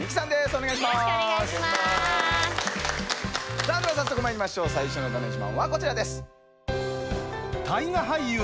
さあでは早速まいりましょう最初のだめ自慢はこちらです。